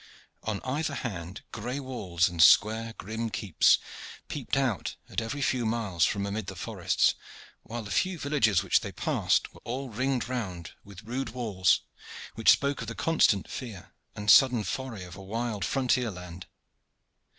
On either hand gray walls and square grim keeps peeped out at every few miles from amid the forests while the few villages which they passed were all ringed round with rude walls, which spoke of the constant fear and sudden foray of a wild frontier land.